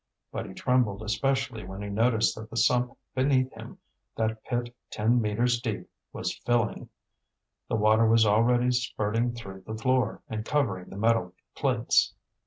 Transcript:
But he trembled especially when he noticed that the sump beneath him, that pit ten metres deep, was filling; the water was already spurting through the floor and covering the metal plates.